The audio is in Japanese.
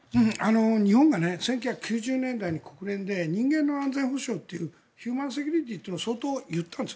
日本が１９９０年代に国連で人間の安全保障っていうヒューマンセキュリティーというのを相当、言ったんです。